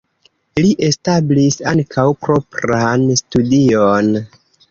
Li establis ankaŭ propran studion.